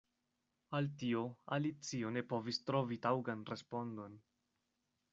Al tio Alicio ne povis trovi taŭgan respondon.